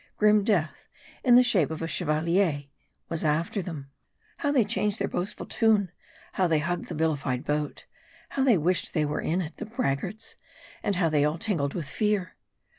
Grim death, in the shape of a Chevalier, was after them. How they changed their boastful tune ! How they hugged the vilified boat ! How they wished they were in it, the braggarts ! And how they all tingled with fear